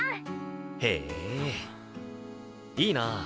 へえいいな。